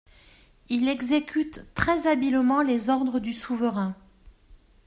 Il exécute très habilement les ordres du souverain.